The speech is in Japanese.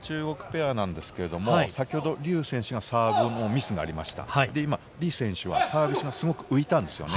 中国ペアは先ほどリュウ選手がサーブでミスがありました。